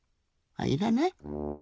あいらない？